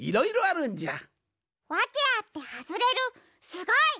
わけあってはずれるすごい！